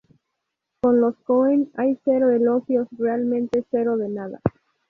Con los Coen, hay cero elogios, realmente cero de nada.